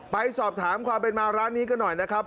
ไปสอบถามความเป็นมาร้านนี้กันหน่อยนะครับ